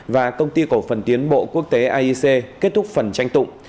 và công ty cổ phần tiến bộ quốc tế aic kết thúc phần tranh tụng